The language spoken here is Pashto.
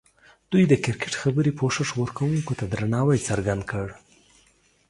دوی د کرکټ خبري پوښښ ورکوونکو ته درناوی څرګند کړ.